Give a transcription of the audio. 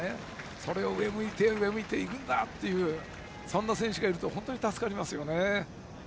それを上を向いていくんだとそんな選手がいると本当に助かりますよね。